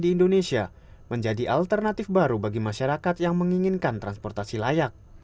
di indonesia menjadi alternatif baru bagi masyarakat yang menginginkan transportasi layak